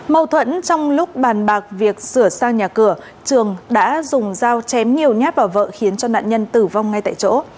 mâu thuẫn trong lúc bàn bạc việc sửa sang nhà cửa trường đã dùng dao chém nhiều nhát vào vợ khiến cho nạn nhân tử vong ngay tại chỗ